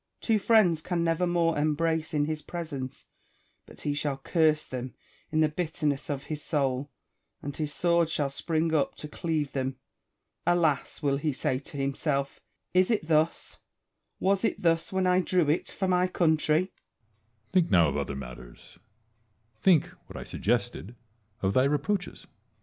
Two friends can never more em brace in his presence but he shall curse them in the bitter ness of his soul, and his sword shall spring up to cleave them. " Alas !" will he say to himself, " is it thus ? was it thus when I drew it for my country V Edioard. Think now of other matters : think, what I suggested, of thy reproaches.